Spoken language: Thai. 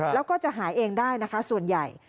แล้วก็จะหายเองได้นะคะส่วนใหญ่